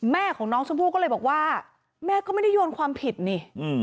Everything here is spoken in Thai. แม่ของน้องชมพู่ก็เลยบอกว่าแม่ก็ไม่ได้โยนความผิดนี่